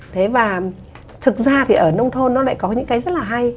thế và thực ra thì ở nông thôn nó lại có những cái rất là hay